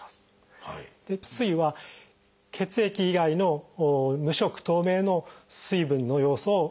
「水」は血液以外の無色透明の水分の要素を「水」と。